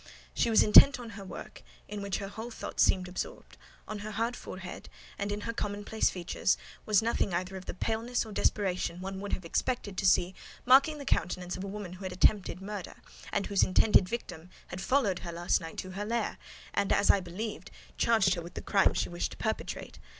She was intent on her work, in which her whole thoughts seemed absorbed: on her hard forehead, and in her commonplace features, was nothing either of the paleness or desperation one would have expected to see marking the countenance of a woman who had attempted murder, and whose intended victim had followed her last night to her lair, and (as I believed), charged her with the crime she wished to perpetrate.